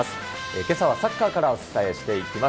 けさはサッカーからお伝えしていきます。